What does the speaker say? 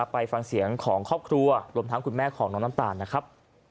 ไปฟังเสียงของครอบครัวรวมทั้งคุณแม่ของน้องน้ำตาลนะครับ